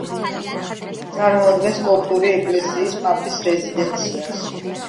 წარმოადგენს კოპტური ეკლესიის პაპის რეზიდენციას.